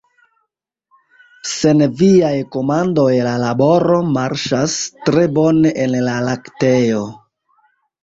Sen viaj komandoj la laboro marŝas tre bone en la laktejo.